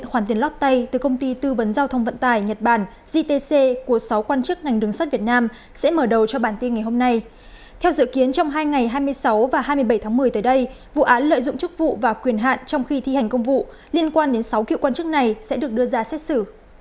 theo dự kiến trong hai ngày hai mươi sáu và hai mươi bảy tháng một mươi tới đây vụ án lợi dụng chức vụ và quyền hạn trong khi thi hành công vụ liên quan đến sáu cựu quan chức này sẽ được đưa ra xét xử